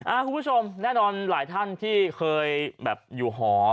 คุณผู้ชมแน่นอนหลายท่านที่เคยแบบอยู่หอ